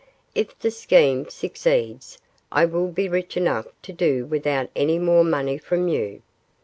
If the scheme succeeds, I will be rich enough to do without any more money from you.